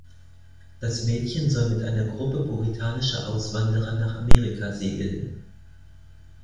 Das Mädchen soll mit einer Gruppe puritanischer Auswanderer nach Amerika segeln.